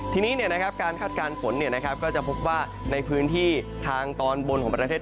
ทีนี้นะครับการคาดการณ์ฝนนะครับก็จะพบว่าในพื้นที่ทางตอนบนของประเทศไทย